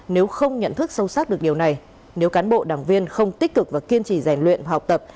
nếu không nhận thức sâu sắc được điều này nếu cán bộ đảng viên không tích cực và kiên trì rèn luyện học tập